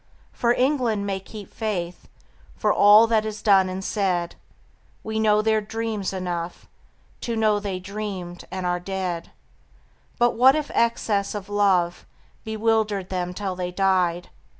For England may keep faith For all that is done and said. We know their dream; enough To know they dreamed and are dead. And what if excess of love Bewildered them till they died?